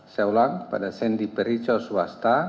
saya ulang pada sendi pericho swasta